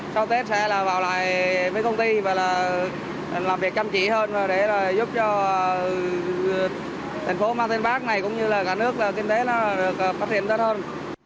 sau tết sẽ là vào lại với công ty và là làm việc chăm chỉ hơn để là giúp cho thành phố martin park này cũng như là cả nước là kinh tế nó được phát triển tốt hơn